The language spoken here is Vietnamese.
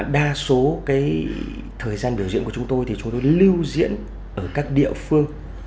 đa số cái thời gian biểu diễn của chúng tôi thì chúng tôi lưu diễn ở các địa phương